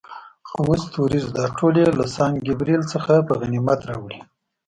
اووه ستوریز، دا ټول یې له سان ګبرېل څخه په غنیمت راوړي.